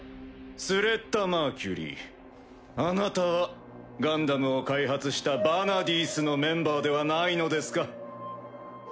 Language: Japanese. スレッタ・マーキュリーあなたはガンダムを開発したヴァナディースのメンバーではないのですか？